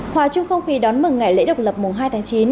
hòa chung không khí đón mừng ngày lễ độc lập mùng hai tháng chín